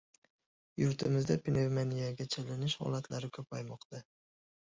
Yurtimizda pnevmoniyaga chalinish holatlari ko‘paymoqda